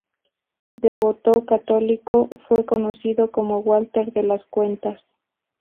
Devoto católico, fue conocido como "Walter de las Cuentas".